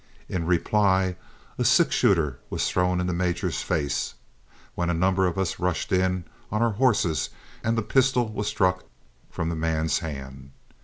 In reply a six shooter was thrown in the major's face, when a number of us rushed in on our horses and the pistol was struck from the man's hand.